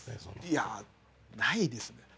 いやないですね。